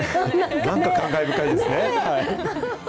なんか感慨深いですね。